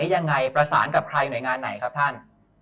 ยังไงประสานกับใครหน่วยงานไหนครับท่าน